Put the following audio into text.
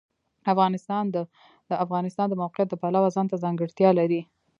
افغانستان د د افغانستان د موقعیت د پلوه ځانته ځانګړتیا لري.